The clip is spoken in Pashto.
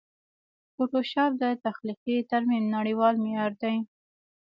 فوټوشاپ د تخلیقي ترمیم نړېوال معیار دی.